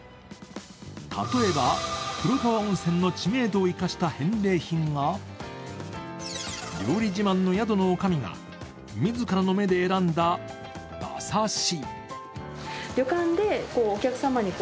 例えば、黒川温泉の知名度を生かした返礼品が料理自慢の宿のおかみが自らの目で選んだ馬刺し。